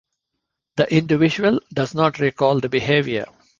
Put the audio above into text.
The individual does not recall the behavior.